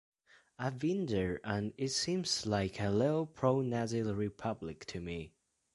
I've been there and it seems like a little pro-Nazi Republic to me.